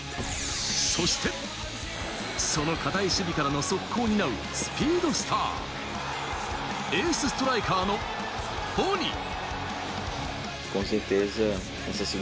そして、その堅い守備からの速攻を担うスピードスター、エースストライカーのホニ。